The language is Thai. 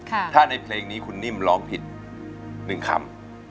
ค่ะถ้าในเพลงนี้คุณนิ่มร้องผิดหนึ่งคำ